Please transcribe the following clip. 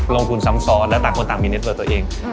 ซ้ำซ้อนและต่างคนต่างมีเน็ตเบอร์ตัวเอง